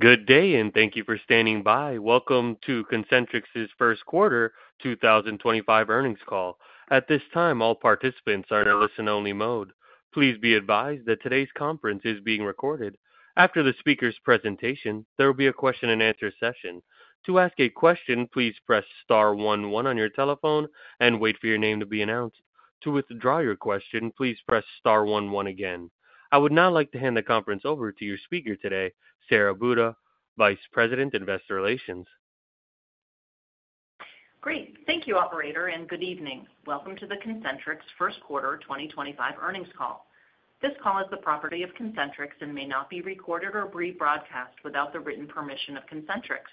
Good day, and thank you for standing by. Welcome to Concentrix's first quarter 2025 earnings call. At this time, all participants are in a listen-only mode. Please be advised that today's conference is being recorded. After the speaker's presentation, there will be a question-and-answer session. To ask a question, please press star one-one on your telephone and wait for your name to be announced. To withdraw your question, please press star one-one again. I would now like to hand the conference over to your speaker today, Sara Buda, Vice President, Investor Relations. Great. Thank you, Operator, and good evening. Welcome to the Concentrix first quarter 2025 earnings call. This call is the property of Concentrix and may not be recorded or rebroadcast without the written permission of Concentrix.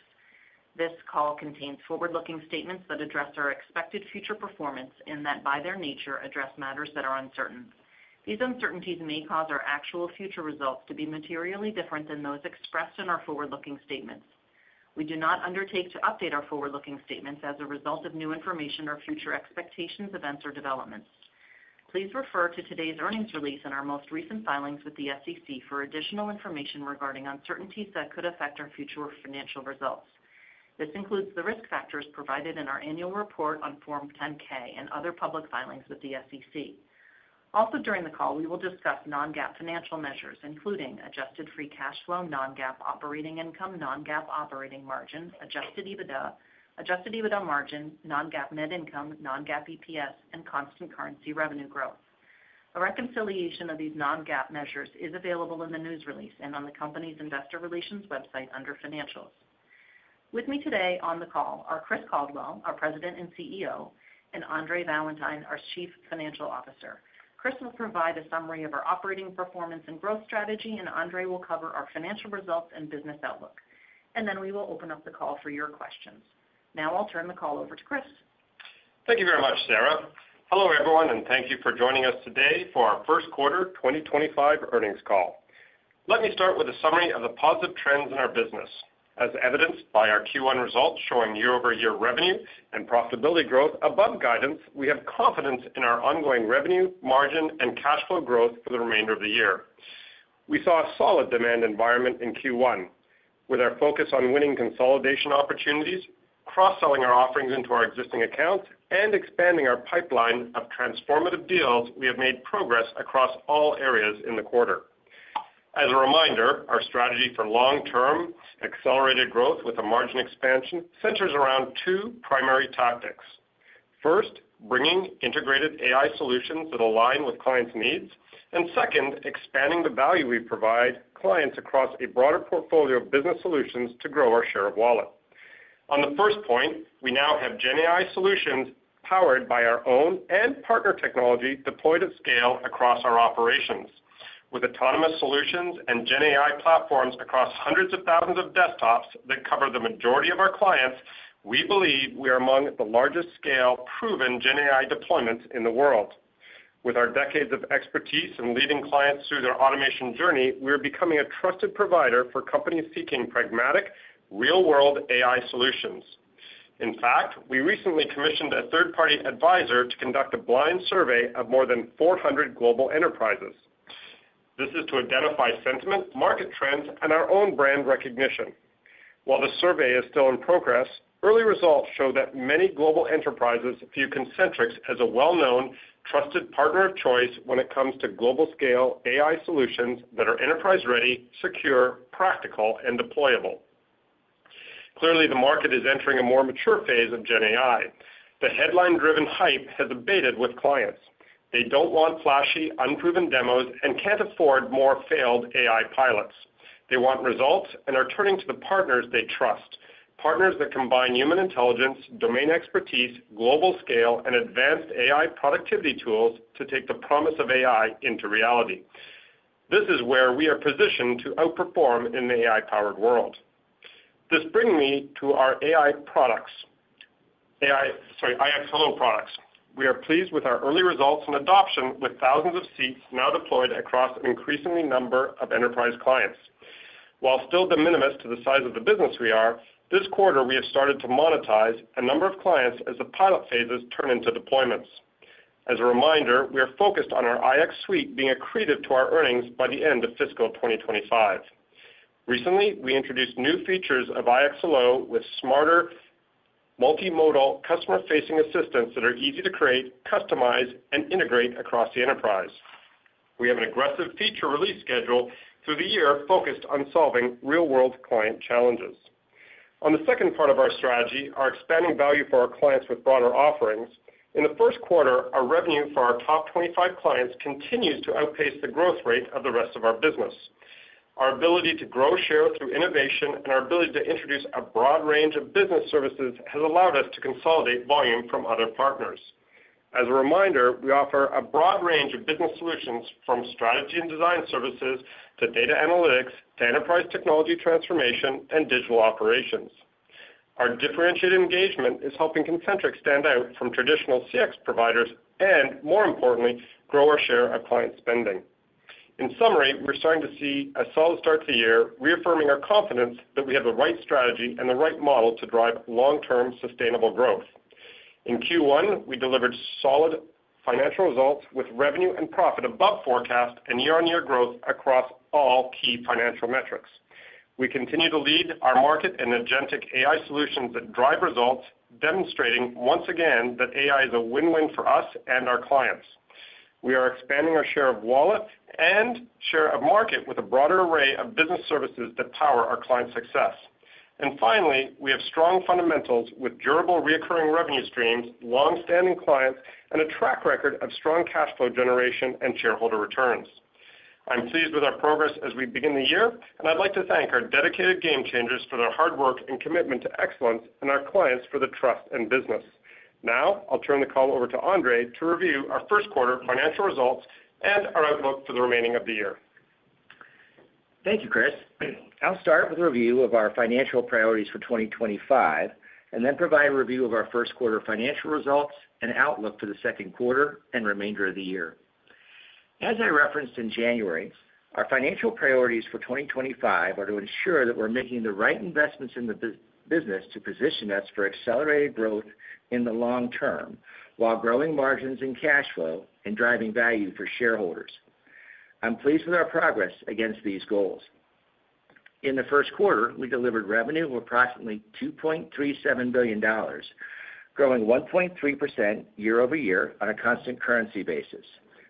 This call contains forward-looking statements that address our expected future performance and that, by their nature, address matters that are uncertain. These uncertainties may cause our actual future results to be materially different than those expressed in our forward-looking statements. We do not undertake to update our forward-looking statements as a result of new information or future expectations, events, or developments. Please refer to today's earnings release and our most recent filings with the SEC for additional information regarding uncertainties that could affect our future financial results. This includes the risk factors provided in our annual report on Form 10-K and other public filings with the SEC. Also, during the call, we will discuss non-GAAP financial measures, including adjusted free cash flow, non-GAAP operating income, non-GAAP operating margin, adjusted EBITDA, adjusted EBITDA margin, non-GAAP net income, non-GAAP EPS, and constant currency revenue growth. A reconciliation of these non-GAAP measures is available in the news release and on the company's investor relations website under Financials. With me today on the call are Chris Caldwell, our President and CEO, and Andre Valentine, our Chief Financial Officer. Chris will provide a summary of our operating performance and growth strategy, and Andre will cover our financial results and business outlook. We will open up the call for your questions. Now I'll turn the call over to Chris. Thank you very much, Sara. Hello, everyone, and thank you for joining us today for our first quarter 2025 earnings call. Let me start with a summary of the positive trends in our business. As evidenced by our Q1 results showing year-over-year revenue and profitability growth above guidance, we have confidence in our ongoing revenue, margin, and cash flow growth for the remainder of the year. We saw a solid demand environment in Q1, with our focus on winning consolidation opportunities, cross-selling our offerings into our existing accounts, and expanding our pipeline of transformative deals. We have made progress across all areas in the quarter. As a reminder, our strategy for long-term accelerated growth with a margin expansion centers around two primary tactics. First, bringing integrated AI solutions that align with clients' needs, and second, expanding the value we provide clients across a broader portfolio of business solutions to grow our share of wallet. On the first point, we now have GenAI solutions powered by our own and partner technology deployed at scale across our operations. With autonomous solutions and GenAI platforms across hundreds of thousands of desktops that cover the majority of our clients, we believe we are among the largest scale proven GenAI deployments in the world. With our decades of expertise in leading clients through their automation journey, we are becoming a trusted provider for companies seeking pragmatic, real-world AI solutions. In fact, we recently commissioned a third-party advisor to conduct a blind survey of more than 400 global enterprises. This is to identify sentiment, market trends, and our own brand recognition. While the survey is still in progress, early results show that many global enterprises view Concentrix as a well-known, trusted partner of choice when it comes to global-scale AI solutions that are enterprise-ready, secure, practical, and deployable. Clearly, the market is entering a more mature phase of GenAI. The headline-driven hype has abated with clients. They do not want flashy, unproven demos and cannot afford more failed AI pilots. They want results and are turning to the partners they trust, partners that combine human intelligence, domain expertise, global scale, and advanced AI productivity tools to take the promise of AI into reality. This is where we are positioned to outperform in the AI-powered world. This brings me to our AI products, AI, sorry, iX Hello products. We are pleased with our early results and adoption, with thousands of seats now deployed across an increasing number of enterprise clients. While still de minimis to the size of the business we are, this quarter we have started to monetize a number of clients as the pilot phases turn into deployments. As a reminder, we are focused on our iX suite being accretive to our earnings by the end of fiscal 2025. Recently, we introduced new features of iX Hello with smarter, multimodal, customer-facing assistants that are easy to create, customize, and integrate across the enterprise. We have an aggressive feature release schedule through the year focused on solving real-world client challenges. On the second part of our strategy, our expanding value for our clients with broader offerings. In the first quarter, our revenue for our top 25 clients continues to outpace the growth rate of the rest of our business. Our ability to grow share through innovation and our ability to introduce a broad range of business services has allowed us to consolidate volume from other partners. As a reminder, we offer a broad range of business solutions from strategy and design services to data analytics to enterprise technology transformation and digital operations. Our differentiated engagement is helping Concentrix stand out from traditional CX providers and, more importantly, grow our share of client spending. In summary, we're starting to see a solid start to the year, reaffirming our confidence that we have the right strategy and the right model to drive long-term sustainable growth. In Q1, we delivered solid financial results with revenue and profit above forecast and year-on-year growth across all key financial metrics. We continue to lead our market in agentic AI solutions that drive results, demonstrating once again that AI is a win-win for us and our clients. We are expanding our share of wallet and share of market with a broader array of business services that power our client success. Finally, we have strong fundamentals with durable, recurring revenue streams, long-standing clients, and a track record of strong cash flow generation and shareholder returns. I'm pleased with our progress as we begin the year, and I'd like to thank our dedicated Game Changers for their hard work and commitment to excellence and our clients for the trust and business. Now I'll turn the call over to Andre to review our first quarter financial results and our outlook for the remainder of the year. Thank you, Chris. I'll start with a review of our financial priorities for 2025 and then provide a review of our first quarter financial results and outlook for the second quarter and remainder of the year. As I referenced in January, our financial priorities for 2025 are to ensure that we're making the right investments in the business to position us for accelerated growth in the long term while growing margins and cash flow and driving value for shareholders. I'm pleased with our progress against these goals. In the first quarter, we delivered revenue of approximately $2.37 billion, growing 1.3% year-over-year on a constant currency basis,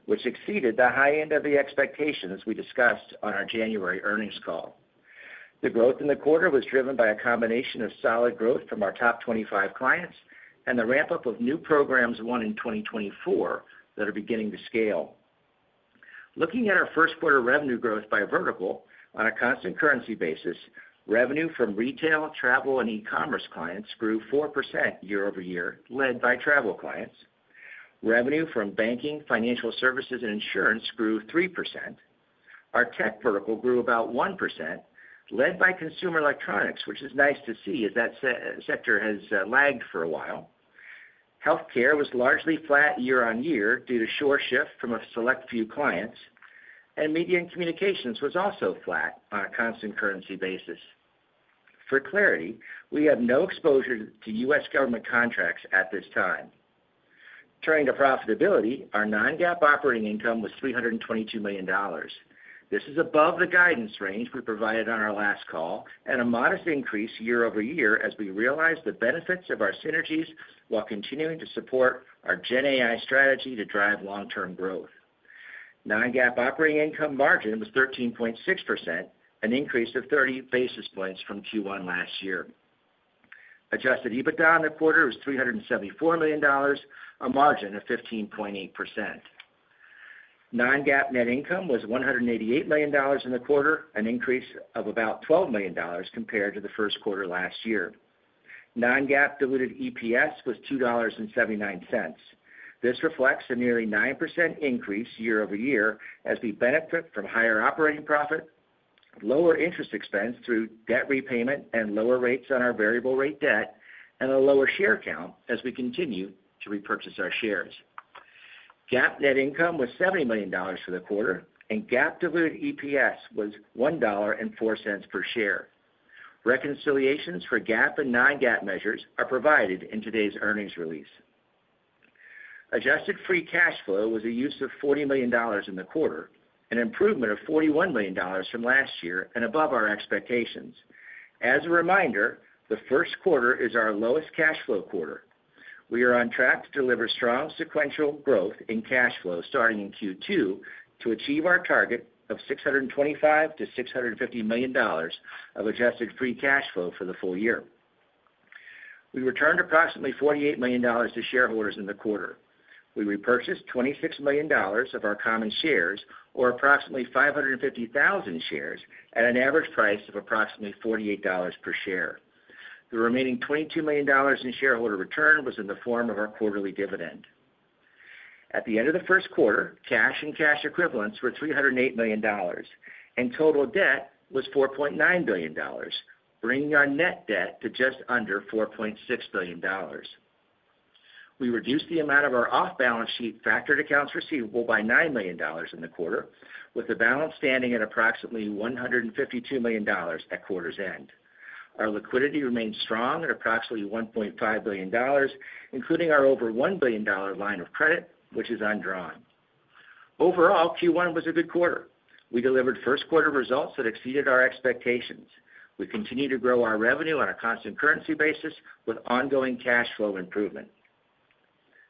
which exceeded the high end of the expectations we discussed on our January earnings call. The growth in the quarter was driven by a combination of solid growth from our top 25 clients and the ramp-up of new programs won in 2024 that are beginning to scale. Looking at our first quarter revenue growth by vertical on a constant currency basis, revenue from retail, travel, and e-commerce clients grew 4% year-over-year, led by travel clients. Revenue from banking, financial services, and insurance grew 3%. Our tech vertical grew about 1%, led by consumer electronics, which is nice to see as that sector has lagged for a while. Healthcare was largely flat year-on-year due to shore shift from a select few clients, and media and communications was also flat on a constant currency basis. For clarity, we have no exposure to U.S. government contracts at this time. Turning to profitability, our non-GAAP operating income was $322 million. This is above the guidance range we provided on our last call and a modest increase year-over-year as we realized the benefits of our synergies while continuing to support our GenAI strategy to drive long-term growth. Non-GAAP operating income margin was 13.6%, an increase of 30 basis points from Q1 last year. Adjusted EBITDA on the quarter was $374 million, a margin of 15.8%. Non-GAAP net income was $188 million in the quarter, an increase of about $12 million compared to the first quarter last year. Non-GAAP diluted EPS was $2.79. This reflects a nearly 9% increase year-over-year as we benefit from higher operating profit, lower interest expense through debt repayment, and lower rates on our variable-rate debt, and a lower share count as we continue to repurchase our shares. GAAP net income was $70 million for the quarter, and GAAP diluted EPS was $1.04 per share. Reconciliations for GAAP and non-GAAP measures are provided in today's earnings release. Adjusted free cash flow was a use of $40 million in the quarter, an improvement of $41 million from last year and above our expectations. As a reminder, the first quarter is our lowest cash flow quarter. We are on track to deliver strong sequential growth in cash flow starting in Q2 to achieve our target of $625-$650 million of adjusted free cash flow for the full year. We returned approximately $48 million to shareholders in the quarter. We repurchased $26 million of our common shares, or approximately 550,000 shares, at an average price of approximately $48 per share. The remaining $22 million in shareholder return was in the form of our quarterly dividend. At the end of the first quarter, cash and cash equivalents were $308 million, and total debt was $4.9 billion, bringing our net debt to just under $4.6 billion. We reduced the amount of our off-balance sheet factored accounts receivable by $9 million in the quarter, with the balance standing at approximately $152 million at quarter's end. Our liquidity remained strong at approximately $1.5 billion, including our over $1 billion line of credit, which is undrawn. Overall, Q1 was a good quarter. We delivered first quarter results that exceeded our expectations. We continue to grow our revenue on a constant currency basis with ongoing cash flow improvement.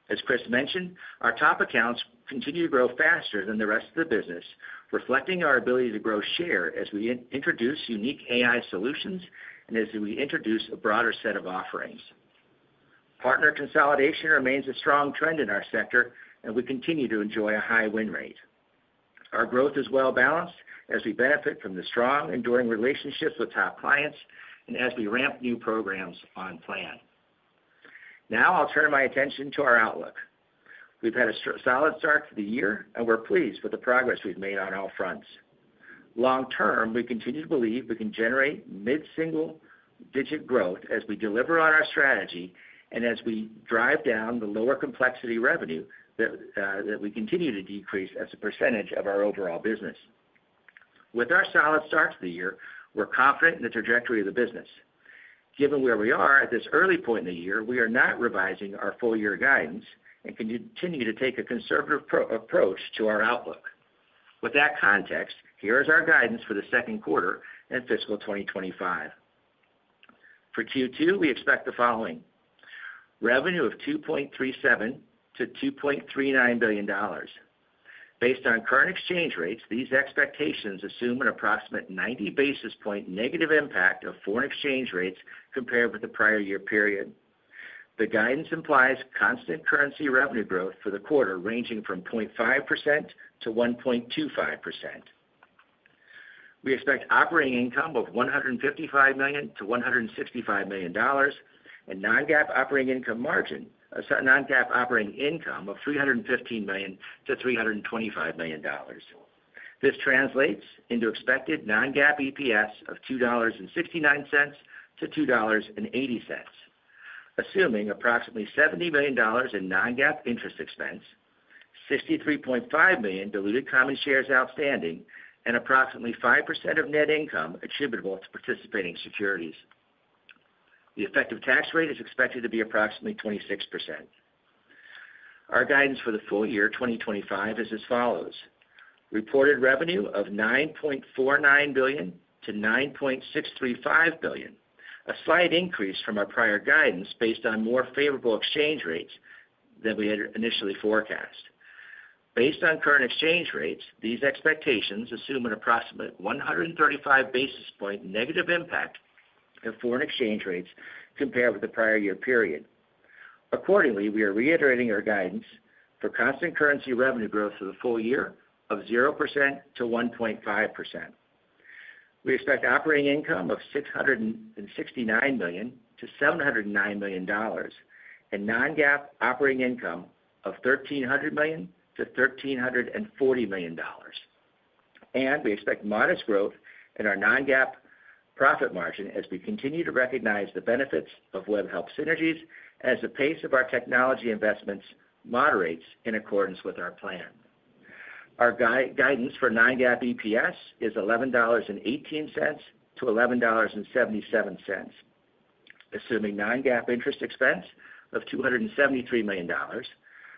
As Chris mentioned, our top accounts continue to grow faster than the rest of the business, reflecting our ability to grow share as we introduce unique AI solutions and as we introduce a broader set of offerings. Partner consolidation remains a strong trend in our sector, and we continue to enjoy a high win rate. Our growth is well-balanced as we benefit from the strong, enduring relationships with top clients and as we ramp new programs on plan. Now I'll turn my attention to our outlook. We've had a solid start to the year, and we're pleased with the progress we've made on all fronts. Long term, we continue to believe we can generate mid-single-digit growth as we deliver on our strategy and as we drive down the lower complexity revenue that we continue to decrease as a percentage of our overall business. With our solid start to the year, we're confident in the trajectory of the business. Given where we are at this early point in the year, we are not revising our full-year guidance and continue to take a conservative approach to our outlook. With that context, here is our guidance for the second quarter and fiscal 2025. For Q2, we expect the following: revenue of $2.37 billion-$2.39 billion. Based on current exchange rates, these expectations assume an approximate 90 basis point negative impact of foreign exchange rates compared with the prior year period. The guidance implies constant currency revenue growth for the quarter ranging from 0.5%-1.25%. We expect operating income of $155 million-$165 million and non-GAAP operating income margin, a non-GAAP operating income of $315 million-$325 million. This translates into expected non-GAAP EPS of $2.69-$2.80, assuming approximately $70 million in non-GAAP interest expense, 63.5 million diluted common shares outstanding, and approximately 5% of net income attributable to participating securities. The effective tax rate is expected to be approximately 26%. Our guidance for the full year 2025 is as follows: reported revenue of $9.49 billion-$9.635 billion, a slight increase from our prior guidance based on more favorable exchange rates than we had initially forecast. Based on current exchange rates, these expectations assume an approximate 135 basis point negative impact of foreign exchange rates compared with the prior year period. Accordingly, we are reiterating our guidance for constant currency revenue growth for the full year of 0%-1.5%. We expect operating income of $669 million-$709 million and non-GAAP operating income of $1,300 million-$1,340 million. We expect modest growth in our non-GAAP profit margin as we continue to recognize the benefits of Webhelp synergies as the pace of our technology investments moderates in accordance with our plan. Our guidance for non-GAAP EPS is $11.18-$11.77, assuming non-GAAP interest expense of $273 million,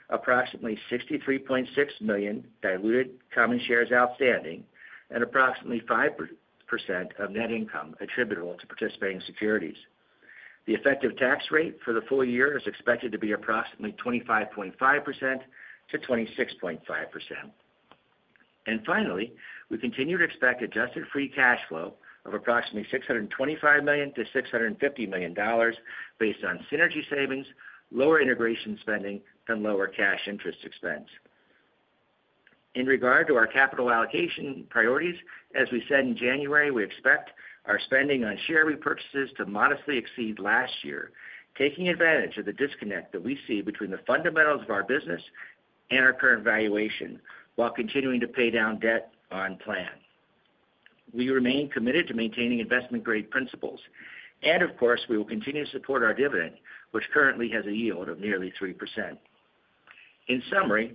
approximately 63.6 million diluted common shares outstanding, and approximately 5% of net income attributable to participating securities. The effective tax rate for the full year is expected to be approximately 25.5%-26.5%. Finally, we continue to expect adjusted free cash flow of approximately $625 million-$650 million based on synergy savings, lower integration spending, and lower cash interest expense. In regard to our capital allocation priorities, as we said in January, we expect our spending on share repurchases to modestly exceed last year, taking advantage of the disconnect that we see between the fundamentals of our business and our current valuation while continuing to pay down debt on plan. We remain committed to maintaining investment-grade principles, and of course, we will continue to support our dividend, which currently has a yield of nearly 3%. In summary,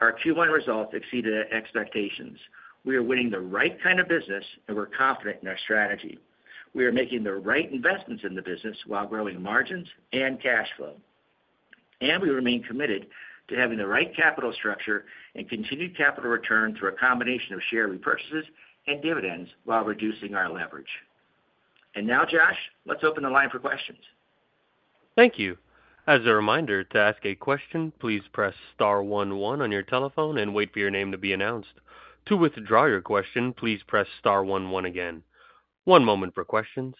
our Q1 results exceeded expectations. We are winning the right kind of business, and we're confident in our strategy. We are making the right investments in the business while growing margins and cash flow. We remain committed to having the right capital structure and continued capital return through a combination of share repurchases and dividends while reducing our leverage. Now, Josh, let's open the line for questions. Thank you. As a reminder, to ask a question, please press star 11 on your telephone and wait for your name to be announced. To withdraw your question, please press star 11 again. One moment for questions.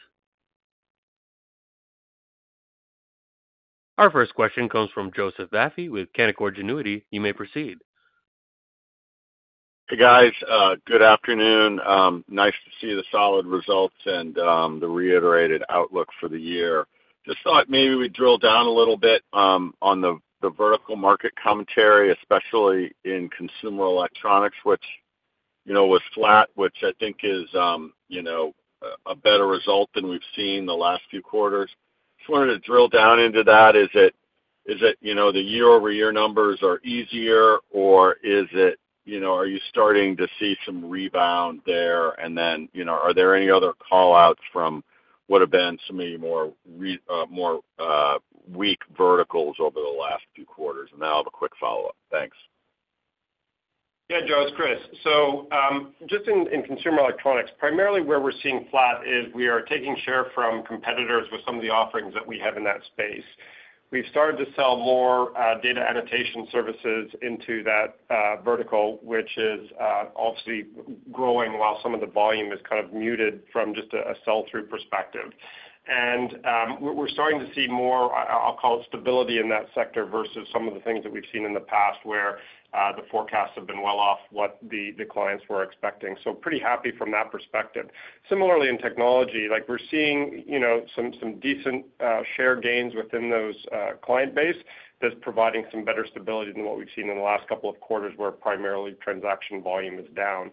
Our first question comes from Joseph Vafi with Canaccord Genuity. You may proceed. Hey, guys. Good afternoon. Nice to see the solid results and the reiterated outlook for the year. Just thought maybe we'd drill down a little bit on the vertical market commentary, especially in consumer electronics, which was flat, which I think is a better result than we've seen the last few quarters. Just wanted to drill down into that. Is it the year-over-year numbers are easier, or are you starting to see some rebound there? Are there any other callouts from what have been some of your more weak verticals over the last few quarters? I'll have a quick follow-up. Thanks. Yeah, Joe, it's Chris. Just in consumer electronics, primarily where we're seeing flat is we are taking share from competitors with some of the offerings that we have in that space. We've started to sell more data annotation services into that vertical, which is obviously growing while some of the volume is kind of muted from just a sell-through perspective. We're starting to see more, I'll call it, stability in that sector versus some of the things that we've seen in the past where the forecasts have been well off what the clients were expecting. Pretty happy from that perspective. Similarly, in technology, we're seeing some decent share gains within those client bases that's providing some better stability than what we've seen in the last couple of quarters where primarily transaction volume is down.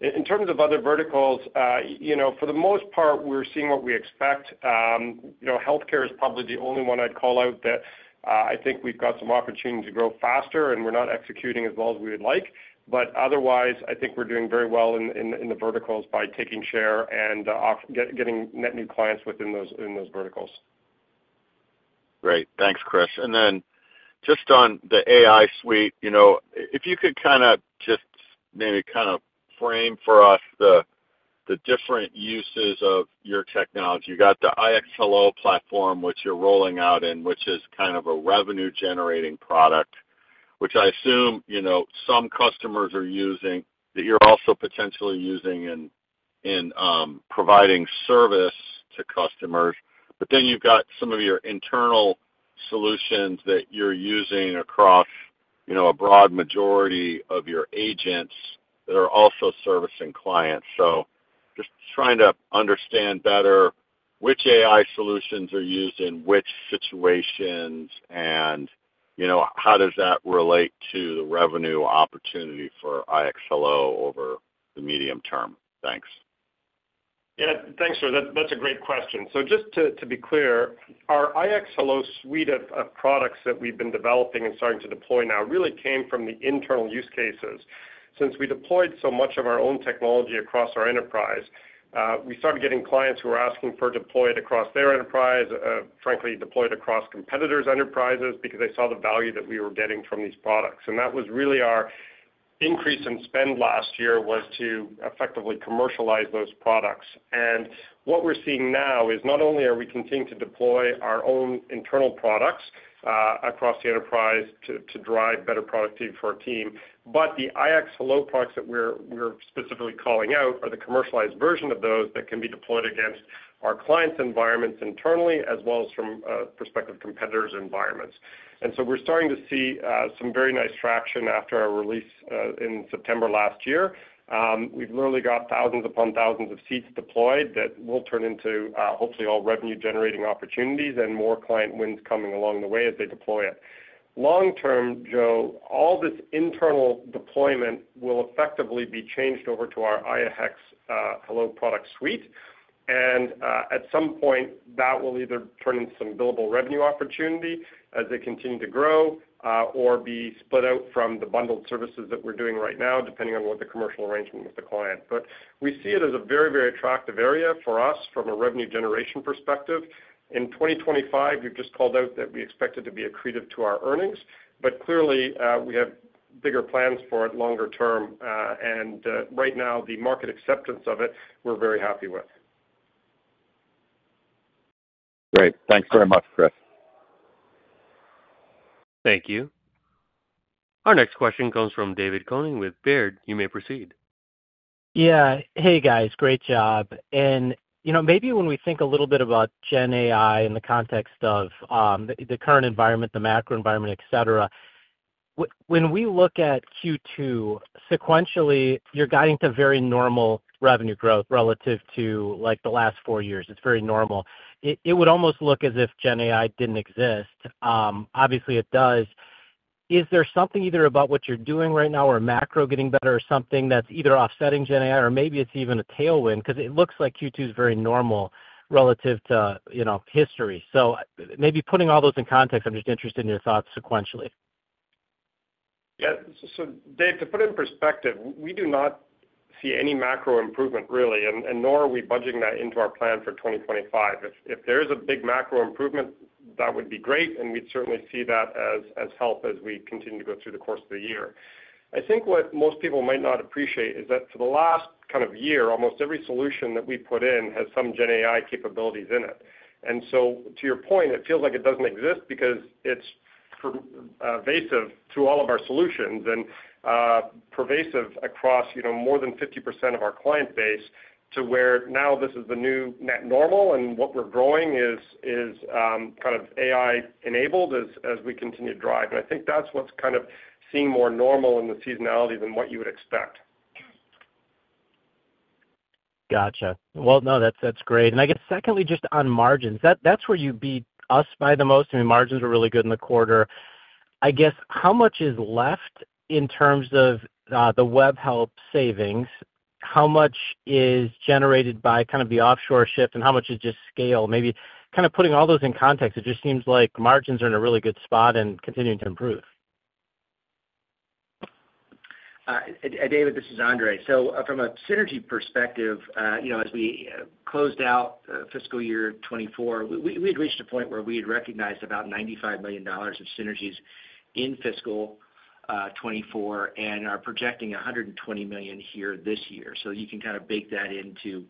In terms of other verticals, for the most part, we're seeing what we expect. Healthcare is probably the only one I'd call out that I think we've got some opportunity to grow faster and we're not executing as well as we would like. Otherwise, I think we're doing very well in the verticals by taking share and getting net new clients within those verticals. Great. Thanks, Chris. Just on the AI suite, if you could kind of just maybe kind of frame for us the different uses of your technology. You got the iX Hello platform, which you're rolling out in, which is kind of a revenue-generating product, which I assume some customers are using, that you're also potentially using in providing service to customers. You have some of your internal solutions that you're using across a broad majority of your agents that are also servicing clients. Just trying to understand better which AI solutions are used in which situations and how does that relate to the revenue opportunity for iX Hello over the medium term. Thanks. Yeah, thanks, sir. That's a great question. Just to be clear, our iX Hello suite of products that we've been developing and starting to deploy now really came from the internal use cases. Since we deployed so much of our own technology across our enterprise, we started getting clients who were asking for it deployed across their enterprise, frankly, deployed across competitors' enterprises because they saw the value that we were getting from these products. That was really our increase in spend last year, to effectively commercialize those products. What we're seeing now is not only are we continuing to deploy our own internal products across the enterprise to drive better productivity for our team, but the iX Hello products that we're specifically calling out are the commercialized version of those that can be deployed against our clients' environments internally as well as from the perspective of competitors' environments. We're starting to see some very nice traction after our release in September last year. We've literally got thousands upon thousands of seats deployed that will turn into hopefully all revenue-generating opportunities and more client wins coming along the way as they deploy it. Long term, Joe, all this internal deployment will effectively be changed over to our iX Hello product suite. At some point, that will either turn into some billable revenue opportunity as they continue to grow or be split out from the bundled services that we're doing right now, depending on what the commercial arrangement with the client is. We see it as a very, very attractive area for us from a revenue generation perspective. In 2025, you've just called out that we expect it to be accretive to our earnings, but clearly we have bigger plans for it longer term. Right now, the market acceptance of it, we're very happy with. Great. Thanks very much, Chris. Thank you. Our next question comes from David Koning with Baird. You may proceed. Yeah. Hey, guys. Great job. Maybe when we think a little bit about GenAI in the context of the current environment, the macro environment, etc., when we look at Q2, sequentially, you're guiding to very normal revenue growth relative to the last four years. It's very normal. It would almost look as if GenAI didn't exist. Obviously, it does. Is there something either about what you're doing right now or macro getting better or something that's either offsetting GenAI or maybe it's even a tailwind? Because it looks like Q2 is very normal relative to history. Maybe putting all those in context, I'm just interested in your thoughts sequentially. Yeah. Dave, to put it in perspective, we do not see any macro improvement, really, and nor are we budging that into our plan for 2025. If there is a big macro improvement, that would be great, and we'd certainly see that as help as we continue to go through the course of the year. I think what most people might not appreciate is that for the last kind of year, almost every solution that we put in has some GenAI capabilities in it. To your point, it feels like it doesn't exist because it's pervasive to all of our solutions and pervasive across more than 50% of our client base to where now this is the new net normal and what we're growing is kind of AI-enabled as we continue to drive. I think that's what's kind of seeming more normal in the seasonality than what you would expect. Gotcha. No, that's great. I guess secondly, just on margins, that's where you beat us by the most. I mean, margins were really good in the quarter. I guess how much is left in terms of the Webhelp savings? How much is generated by kind of the offshore shift and how much is just scale? Maybe kind of putting all those in context, it just seems like margins are in a really good spot and continuing to improve. Dave, this is Andre. From a synergy perspective, as we closed out fiscal year 2024, we had reached a point where we had recognized about $95 million of synergies in fiscal 2024 and are projecting $120 million here this year. You can kind of bake that into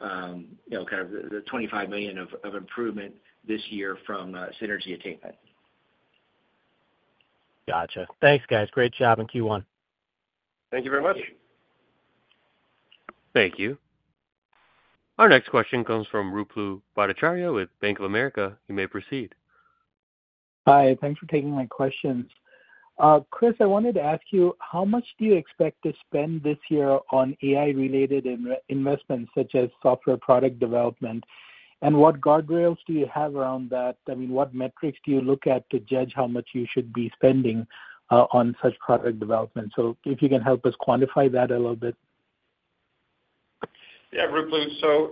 the $25 million of improvement this year from synergy attainment. Gotcha. Thanks, guys. Great job in Q1. Thank you very much. Thank you. Our next question comes from Ruplu Bhattacharya with Bank of America. You may proceed. Hi. Thanks for taking my questions. Chris, I wanted to ask you, how much do you expect to spend this year on AI-related investments such as software product development? And what guardrails do you have around that? I mean, what metrics do you look at to judge how much you should be spending on such product development? If you can help us quantify that a little bit. Yeah, Ruplu.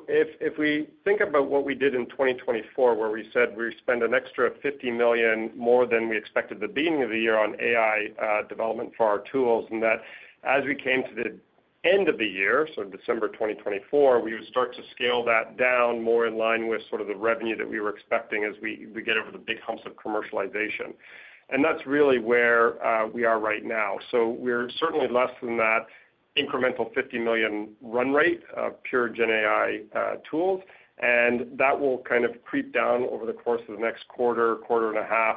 If we think about what we did in 2024, where we said we spent an extra $50 million more than we expected at the beginning of the year on AI development for our tools, and that as we came to the end of the year, December 2024, we would start to scale that down more in line with the revenue that we were expecting as we get over the big hump of commercialization. That is really where we are right now. We are certainly less than that incremental $50 million run rate of pure GenAI tools, and that will kind of creep down over the course of the next quarter, quarter and a half,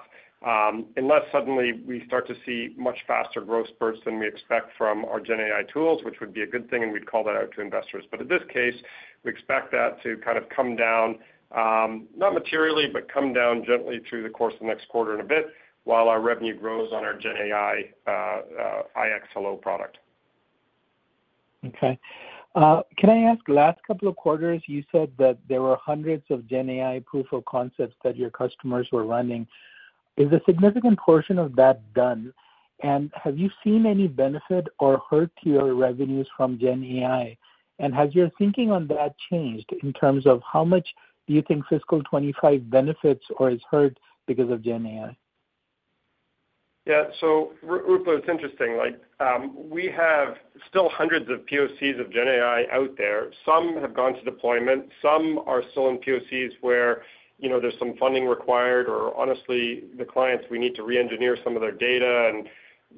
unless suddenly we start to see much faster growth spurts than we expect from our GenAI tools, which would be a good thing, and we would call that out to investors. In this case, we expect that to kind of come down, not materially, but come down gently through the course of the next quarter and a bit while our revenue grows on our GenAI iX Hello product. Okay. Can I ask, last couple of quarters, you said that there were hundreds of GenAI proof of concepts that your customers were running. Is a significant portion of that done? Have you seen any benefit or hurt to your revenues from GenAI? Has your thinking on that changed in terms of how much do you think fiscal 2025 benefits or is hurt because of GenAI? Yeah. Ruplu, it's interesting. We have still hundreds of POCs of GenAI out there. Some have gone to deployment. Some are still in POCs where there's some funding required or honestly, the clients, we need to re-engineer some of their data and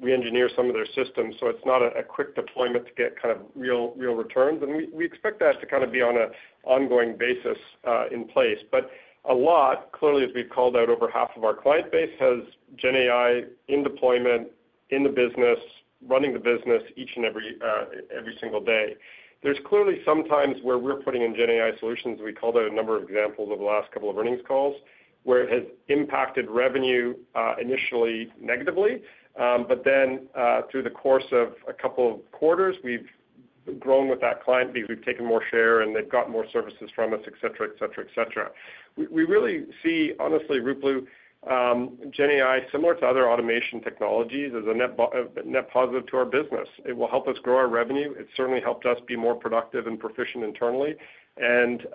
re-engineer some of their systems. It is not a quick deployment to get kind of real returns. We expect that to kind of be on an ongoing basis in place. A lot, clearly, as we've called out, over half of our client base has GenAI in deployment, in the business, running the business each and every single day. There are clearly some times where we're putting in GenAI solutions. We called out a number of examples over the last couple of earnings calls where it has impacted revenue initially negatively. Through the course of a couple of quarters, we've grown with that client because we've taken more share and they've gotten more services from us, etc., etc., etc. We really see, honestly, Ruplu, GenAI, similar to other automation technologies, is a net positive to our business. It will help us grow our revenue. It's certainly helped us be more productive and proficient internally.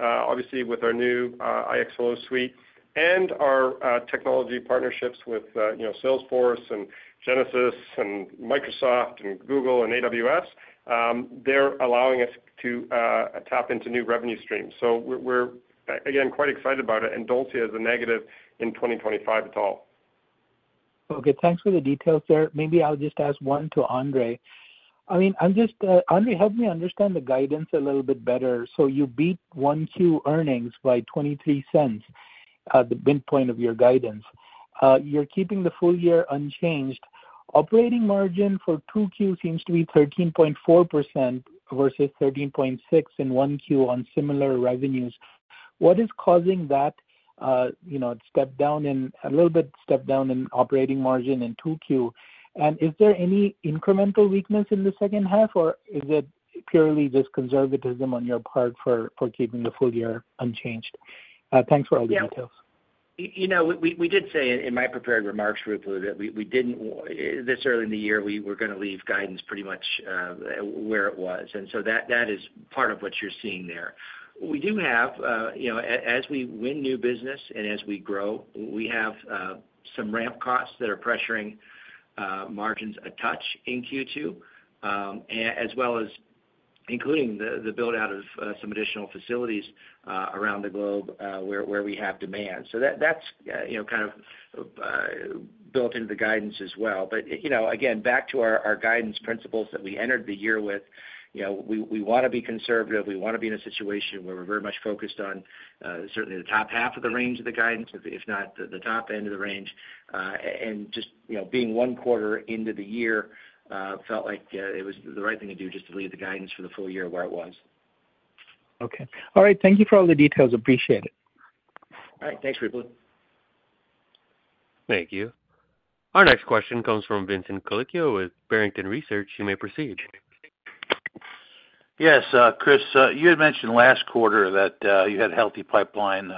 Obviously, with our new iX Hello suite and our technology partnerships with Salesforce and Genesys and Microsoft and Google and AWS, they're allowing us to tap into new revenue streams. We're, again, quite excited about it. We don't see it as a negative in 2025 at all. Okay. Thanks for the details, sir. Maybe I'll just ask one to Andre. I mean, Andre, help me understand the guidance a little bit better. You beat 1Q earnings by 23 cents, the midpoint of your guidance. You're keeping the full year unchanged. Operating margin for 2Q seems to be 13.4% versus 13.6% in 1Q on similar revenues. What is causing that step down and a little bit step down in operating margin in 2Q? Is there any incremental weakness in the second half, or is it purely just conservatism on your part for keeping the full year unchanged? Thanks for all the details. Yeah. We did say in my prepared remarks, Ruplu, that this early in the year, we were going to leave guidance pretty much where it was. That is part of what you're seeing there. We do have, as we win new business and as we grow, we have some ramp costs that are pressuring margins a touch in Q2, as well as including the build-out of some additional facilities around the globe where we have demand. That is kind of built into the guidance as well. Again, back to our guidance principles that we entered the year with, we want to be conservative. We want to be in a situation where we're very much focused on certainly the top half of the range of the guidance, if not the top end of the range. Just being one quarter into the year felt like it was the right thing to do just to leave the guidance for the full year where it was. Okay. All right. Thank you for all the details. Appreciate it. All right. Thanks, Ruplu. Thank you. Our next question comes from Vincent Colicchio with Barrington Research. You may proceed. Yes, Chris. You had mentioned last quarter that you had a healthy pipeline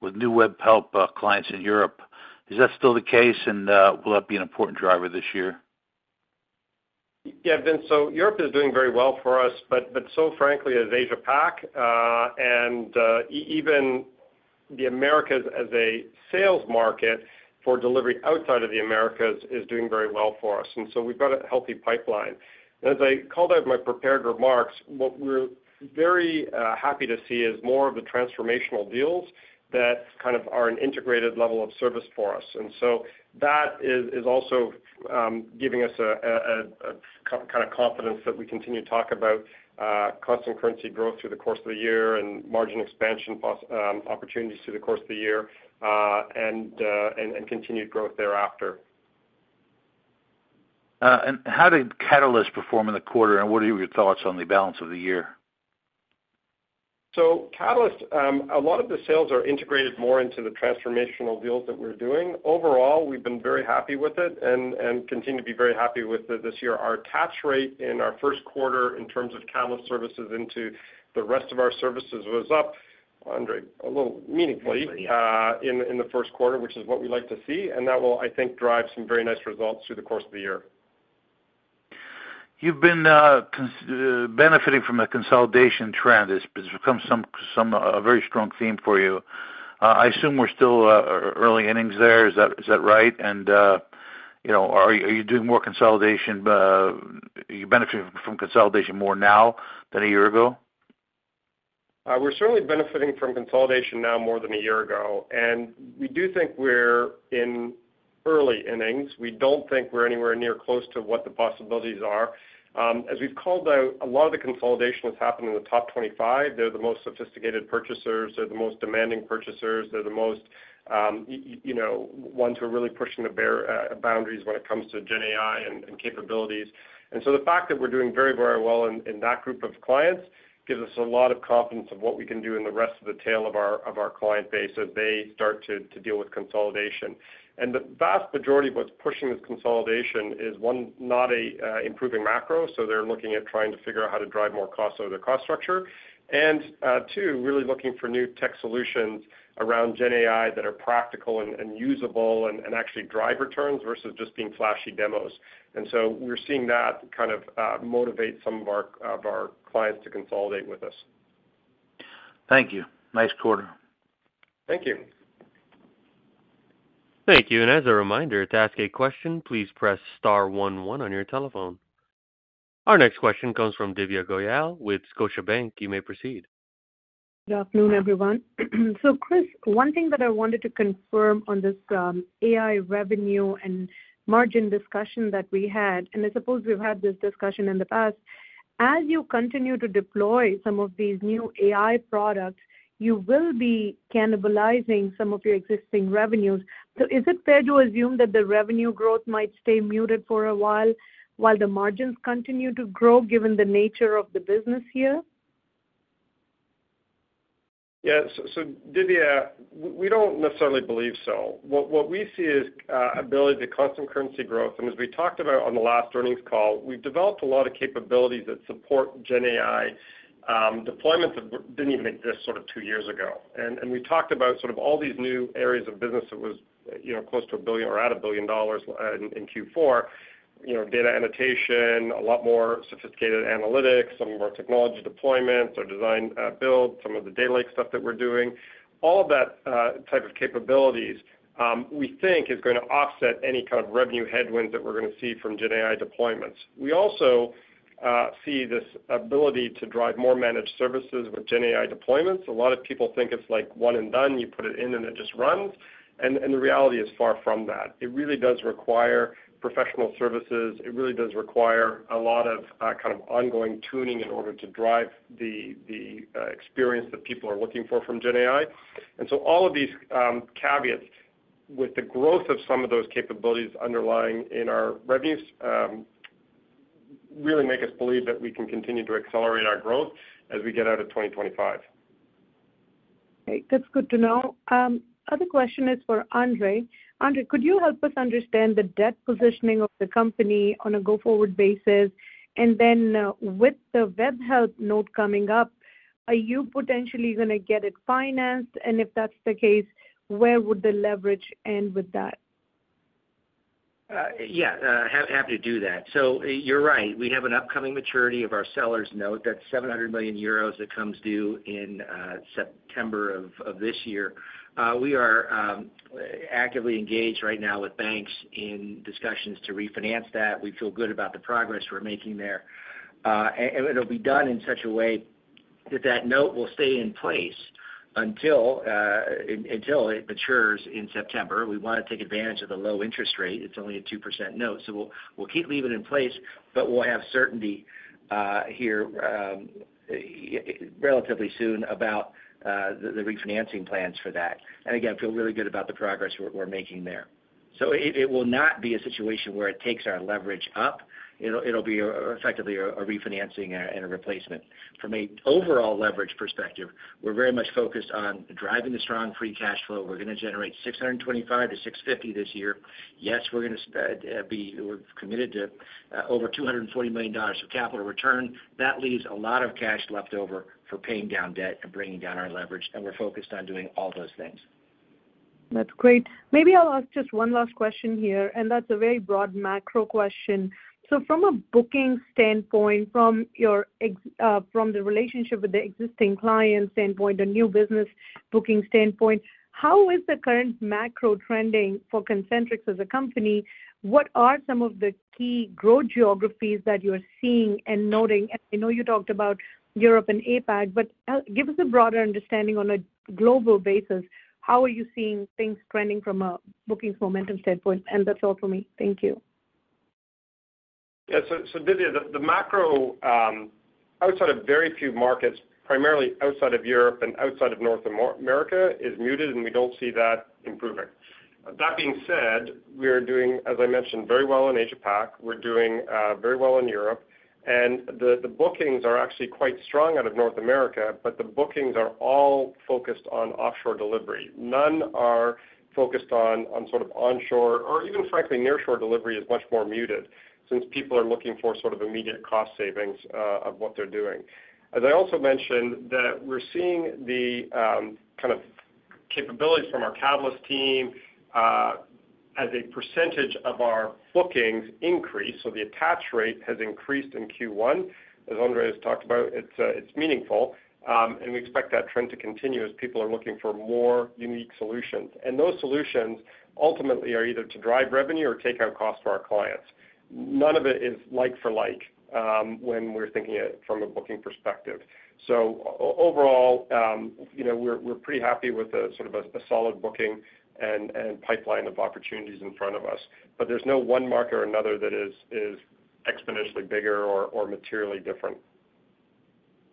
with new Webhelp clients in Europe. Is that still the case, and will that be an important driver this year? Yeah, Vince. Europe is doing very well for us, but so frankly, as Asia-Pac and even the Americas as a sales market for delivery outside of the Americas is doing very well for us. We've got a healthy pipeline. As I called out in my prepared remarks, what we're very happy to see is more of the transformational deals that kind of are an integrated level of service for us. That is also giving us kind of confidence that we continue to talk about constant currency growth through the course of the year and margin expansion opportunities through the course of the year and continued growth thereafter. How did Catalyst perform in the quarter, and what are your thoughts on the balance of the year? Catalyst, a lot of the sales are integrated more into the transformational deals that we're doing. Overall, we've been very happy with it and continue to be very happy with it this year. Our attach rate in our first quarter in terms of Catalyst services into the rest of our services was up, Andre, a little meaningfully in the first quarter, which is what we like to see. That will, I think, drive some very nice results through the course of the year. You've been benefiting from a consolidation trend. It's become a very strong theme for you. I assume we're still early innings there. Is that right? Are you doing more consolidation? Are you benefiting from consolidation more now than a year ago? We're certainly benefiting from consolidation now more than a year ago. We do think we're in early innings. We don't think we're anywhere near close to what the possibilities are. As we've called out, a lot of the consolidation has happened in the top 25. They're the most sophisticated purchasers. They're the most demanding purchasers. They're the ones who are really pushing the boundaries when it comes to GenAI and capabilities. The fact that we're doing very, very well in that group of clients gives us a lot of confidence of what we can do in the rest of the tail of our client base as they start to deal with consolidation. The vast majority of what's pushing this consolidation is, one, not improving macro. They're looking at trying to figure out how to drive more cost over the cost structure. Two, really looking for new tech solutions around GenAI that are practical and usable and actually drive returns versus just being flashy demos. We are seeing that kind of motivate some of our clients to consolidate with us. Thank you. Nice quarter. Thank you. Thank you. As a reminder, to ask a question, please press star 11 on your telephone. Our next question comes from Divya Goyal with Scotiabank. You may proceed. Good afternoon, everyone. Chris, one thing that I wanted to confirm on this AI revenue and margin discussion that we had, and I suppose we've had this discussion in the past, as you continue to deploy some of these new AI products, you will be cannibalizing some of your existing revenues. Is it fair to assume that the revenue growth might stay muted for a while while the margins continue to grow given the nature of the business here? Yeah. Divya, we do not necessarily believe so. What we see is the ability to constant currency growth. As we talked about on the last earnings call, we have developed a lot of capabilities that support GenAI. Deployments did not even exist sort of two years ago. We talked about all these new areas of business that were close to a billion or at a billion dollars in Q4, data annotation, a lot more sophisticated analytics, some of our technology deployments or design build, some of the data lake stuff that we are doing. All of that type of capabilities, we think, is going to offset any kind of revenue headwinds that we are going to see from GenAI deployments. We also see this ability to drive more managed services with GenAI deployments. A lot of people think it is like one and done. You put it in and it just runs. The reality is far from that. It really does require professional services. It really does require a lot of kind of ongoing tuning in order to drive the experience that people are looking for from GenAI. All of these caveats with the growth of some of those capabilities underlying in our revenues really make us believe that we can continue to accelerate our growth as we get out of 2025. Okay. That's good to know. Other question is for Andre. Andre, could you help us understand the debt positioning of the company on a go-forward basis? With the Webhelp note coming up, are you potentially going to get it financed? If that's the case, where would the leverage end with that? Yeah. Happy to do that. You're right. We have an upcoming maturity of our sellers' note. That's 700 million euros that comes due in September of this year. We are actively engaged right now with banks in discussions to refinance that. We feel good about the progress we're making there. It will be done in such a way that that note will stay in place until it matures in September. We want to take advantage of the low interest rate. It's only a 2% note. We'll keep leaving it in place, but we'll have certainty here relatively soon about the refinancing plans for that. Again, feel really good about the progress we're making there. It will not be a situation where it takes our leverage up. It will be effectively a refinancing and a replacement. From an overall leverage perspective, we're very much focused on driving the strong free cash flow. We're going to generate $625-$650 million this year. Yes, we're going to be committed to over $240 million of capital return. That leaves a lot of cash left over for paying down debt and bringing down our leverage. We're focused on doing all those things. That's great. Maybe I'll ask just one last question here. That's a very broad macro question. From a booking standpoint, from the relationship with the existing client standpoint, the new business booking standpoint, how is the current macro trending for Concentrix as a company? What are some of the key growth geographies that you're seeing and noting? I know you talked about Europe and APAC, but give us a broader understanding on a global basis. How are you seeing things trending from a bookings momentum standpoint? That's all for me. Thank you. Yeah. Divya, the macro outside of very few markets, primarily outside of Europe and outside of North America, is muted, and we do not see that improving. That being said, we are doing, as I mentioned, very well in Asia-Pac. We are doing very well in Europe. The bookings are actually quite strong out of North America, but the bookings are all focused on offshore delivery. None are focused on sort of onshore or even, frankly, nearshore delivery is much more muted since people are looking for sort of immediate cost savings of what they are doing. As I also mentioned, we are seeing the kind of capabilities from our Catalyst team as a percentage of our bookings increase. The attach rate has increased in Q1. As Andre has talked about, it is meaningful. We expect that trend to continue as people are looking for more unique solutions. Those solutions ultimately are either to drive revenue or take out costs for our clients. None of it is like for like when we're thinking it from a booking perspective. Overall, we're pretty happy with sort of a solid booking and pipeline of opportunities in front of us. There is no one market or another that is exponentially bigger or materially different.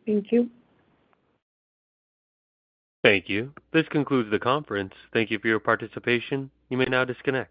Thank you. Thank you. This concludes the conference. Thank you for your participation. You may now disconnect.